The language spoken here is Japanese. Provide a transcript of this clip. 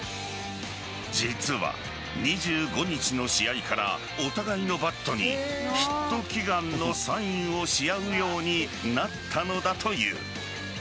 実は、２５日の試合からお互いのバットにヒット祈願のサインをし合うようになったのだという。